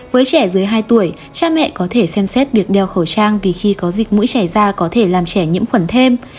với trẻ dưới hai tuổi cha mẹ có thể xem xét việc đeo khẩu trang vì khi có dịch mũi chảy ra có thể làm trẻ nhiễm khuẩn thêm